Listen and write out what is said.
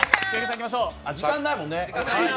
時間ないもんね。